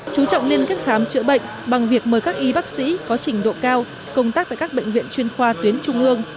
chú trọng liên kết khám chữa bệnh bằng việc mời các y bác sĩ có trình độ cao công tác tại các bệnh viện chuyên khoa tuyến trung ương